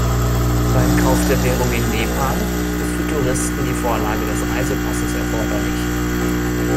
Beim Kauf der Währung in Nepal ist für Touristen die Vorlage des Reisepasses erforderlich.